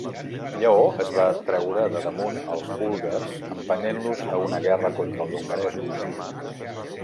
Lleó es va treure de damunt els búlgars empenyent-los a una guerra contra els hongaresos.